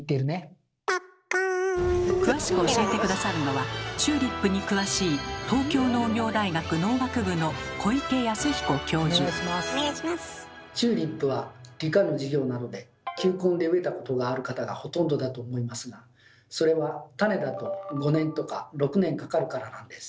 詳しく教えて下さるのはチューリップに詳しい球根で植えたことがある方がほとんどだと思いますがそれは種だと５年とか６年かかるからなんです。